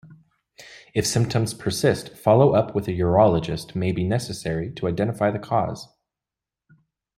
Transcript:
If symptoms persist, follow-up with a urologist may be necessary to identify the cause.